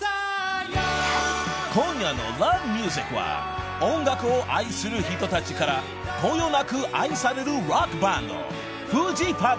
［今夜の『Ｌｏｖｅｍｕｓｉｃ』は音楽を愛する人たちからこよなく愛されるロックバンドフジファブリックと］